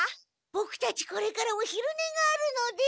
ボクたちこれからおひるねがあるので。